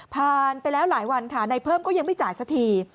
ผ่านไปแล้วหลายวันค่ะในเพิ่มก็ยังไม่จ่ายสักที